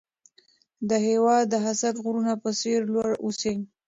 د هېواد د هسک غرونو په څېر لوړ اوسئ.